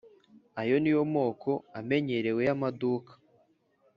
Aya niyo moko amenyerewe y amaduka